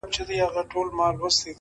خير دی ـ دى كه اوسيدونكى ستا د ښار دى ـ